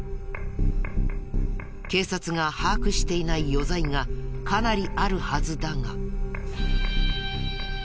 警察が把握していない余罪がかなりあるはずだが。